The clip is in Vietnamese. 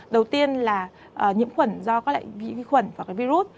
đầu tiên là nhiễm khuẩn do các loại vi khuẩn và virus